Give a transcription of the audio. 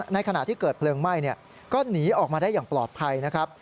ในขณะที่เกิดเพลิงไหม้ก็หนีออกมาได้อย่างปลอดภัยนะครับ